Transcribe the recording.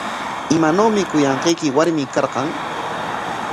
¿Imanawmi kuyanqayki warmi karqan?